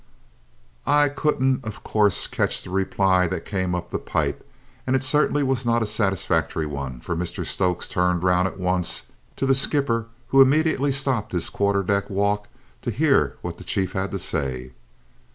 I couldn't of course catch the reply that came up the pipe; and it certainly was not a satisfactory one, for Mr Stokes turned round at once to the skipper, who immediately stopped his quarter deck walk to hear what the chief had to say.